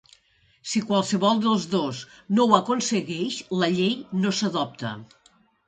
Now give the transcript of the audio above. Si qualsevol dels dos no ho aconsegueix, la llei no s'adopta.